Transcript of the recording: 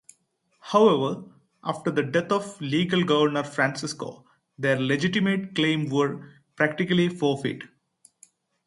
However, after the death of legal governor Francisco, their legitimate claims were practically forfeit.